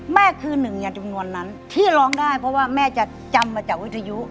แม่คือหนึ่งในจำนวนนั้นที่ร้องได้เพราะว่าแม่จะจำมาจากวิทยุ